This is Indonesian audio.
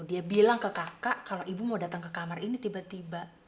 dia bilang ke kakak kalau ibu mau datang ke kamar ini tiba tiba